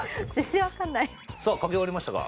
さあ書き終わりましたか？